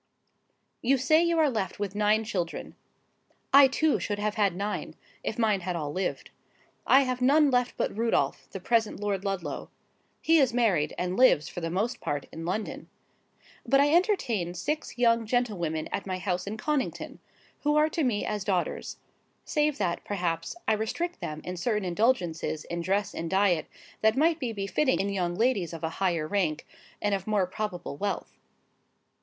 'You say you are left with nine children. I too should have had nine, if mine had all lived. I have none left but Rudolph, the present Lord Ludlow. He is married, and lives, for the most part, in London. But I entertain six young gentlewomen at my house at Connington, who are to me as daughters—save that, perhaps, I restrict them in certain indulgences in dress and diet that might be befitting in young ladies of a higher rank, and of more probable wealth.